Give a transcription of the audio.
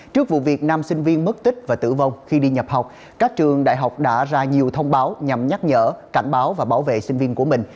trước vụ việc năm sinh viên mất tích và tử vong khi đi nhập học các trường đại học đã ra nhiều thông báo nhằm nhắc nhở cảnh báo và bảo vệ sinh viên của mình